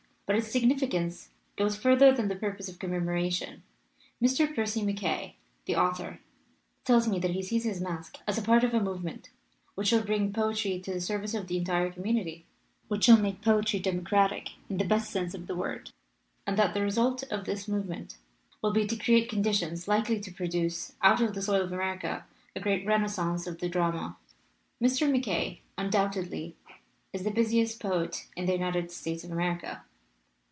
But its sig nificance goes further than the purpose of com memoration. Mr. Percy MacKaye, the author, tells me that he sees his masque as part of a movement which shall bring poetry to the service of the entire community, which shall make poetry democratic, in the best sense of the word, and that the result of this movement will be to create conditions likely to produce out of the soil of America a great renascence of the drama. Mr. MacKaye undoubtedly is the busiest poet in the United States of America.